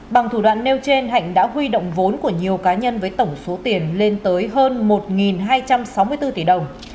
bằng thủ đoạn nêu trên hạnh đã huy động vốn của nhiều cá nhân với tổng số tiền lên tới hơn một hai trăm sáu mươi bốn tỷ đồng